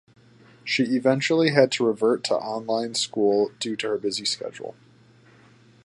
She eventually had to revert to online school due to her busy schedule.